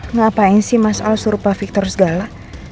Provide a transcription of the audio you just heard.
ngapain sih mas al suruh pak victor segala